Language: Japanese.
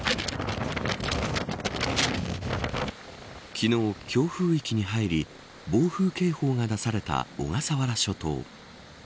昨日、強風域に入り暴風警報が出された小笠原諸島。